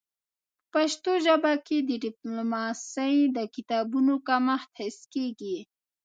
په پښتو ژبه کي د ډيپلوماسی د کتابونو کمښت حس کيږي.